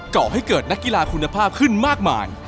ก่อให้เกิดนักกีฬาคุณภาพขึ้นมากมาย